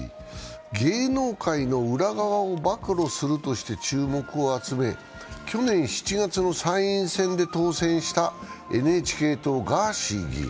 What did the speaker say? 芸能界の裏側を暴露するとして注目を集め去年７月の参院選で当選したＮＨＫ党のガーシー議員。